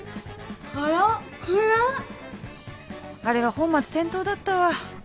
あれは本末転倒だったわ。